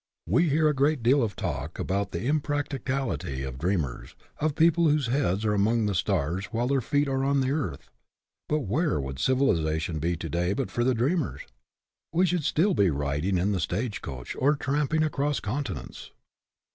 We hear a great deal of talk about the impracticality of dreamers, of people whose heads are among the stars while their feet are on the earth; but where would civilization be to day but for the dreamers ? We should still be riding in the stage coach or tramping across continents.